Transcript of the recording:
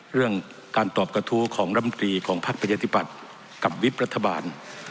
เรื่องการตอบกระทู้ของรำตรีของพักประชาธิบัติกับวิบรัฐบาล